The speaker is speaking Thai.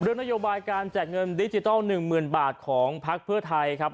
เรื่องนโยบายการแจกเงินดิจิทัลหนึ่งหมื่นบาทของพักเพื่อไทยครับ